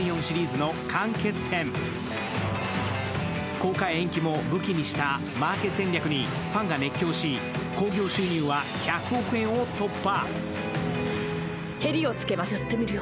公開延期も武器にしたマーケ戦略にファンが熱狂し、興行収入は１００億円を突破。